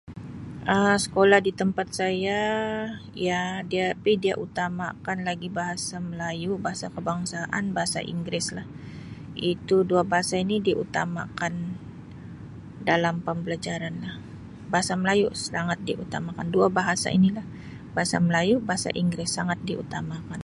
Um Sekolah di tempat saya ya dia-pi utamakan lagi Bahasa Melayu, bahasa kebangsaan, dan Bahasa Inggeris lah. Itu dua bahasa ini diutamakan dalam pambalajaran lah, Bahasa Melayu sangat diutamakan, dua bahasa ini lah, Bahasa Melayu, Bahasa Inggeris sangat diutamakan.